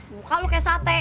muka lu kayak sate